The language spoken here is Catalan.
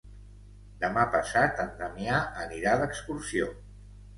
Demà passat en Damià anirà d'excursió.